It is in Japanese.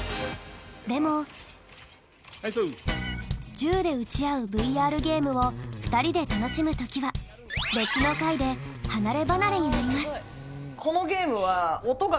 銃で撃ち合うＶＲゲームを２人で楽しむときは別の階で離れ離れになります。